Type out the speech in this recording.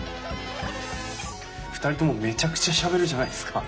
２人ともめちゃくちゃしゃべるじゃないですか。